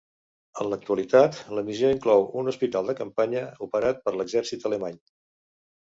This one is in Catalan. En l'actualitat la missió inclou un hospital de campanya operat per l'Exèrcit alemany.